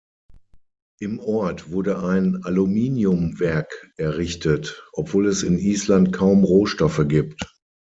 Im Ort wurde ein Aluminiumwerk errichtet, obwohl es in Island kaum Rohstoffe gibt.